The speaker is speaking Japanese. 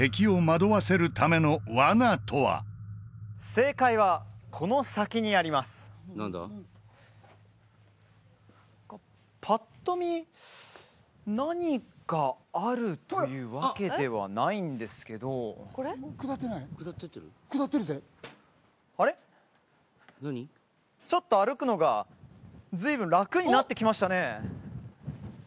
正解はこの先にありますぱっと見何かあるというわけではないんですけどちょっと歩くのが随分楽になってきましたね